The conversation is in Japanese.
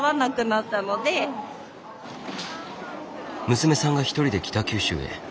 娘さんが一人で北九州へ。